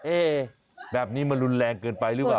แบบนี้มันรุนแรงเกินไปหรือเปล่า